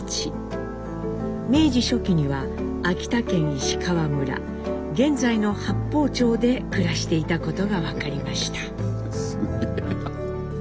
明治初期には秋田県石川村現在の八峰町で暮らしていたことが分かりました。